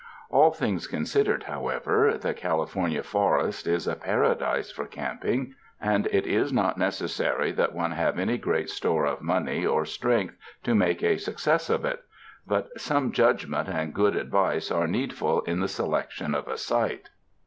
All things considered, however, the California forest is a paradise for camping, and it is not neces sary that one have any great store of money or strength to make a success of it; but some judgment 49 UNDER THE SKY IN CALIFORNIA and good advice are needful in the selection of a site.